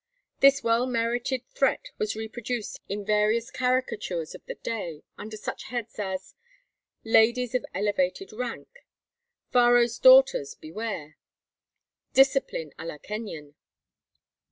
This well merited threat was reproduced in various caricatures of the day, under such heads as, "Ladies of Elevated Rank;" "Faro's Daughters, Beware!" "Discipline à la Kenyon."